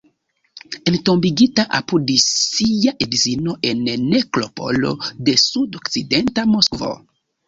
Entombigita apud sia edzino en la nekropolo de sud-okcidenta Moskvo.